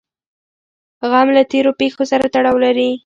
غم له تېرو پېښو سره تړاو لري.